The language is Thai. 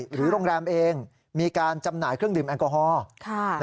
หรือโรงแรมเองมีการจำหน่ายเครื่องดื่มแอลกอฮอล์